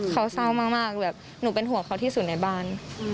เขาเศร้ามากแบบหนูเป็นห่วงเขาที่สุดในบ้าน